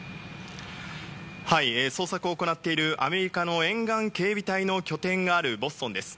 捜索を行っているアメリカの沿岸警備隊の拠点があるボストンです。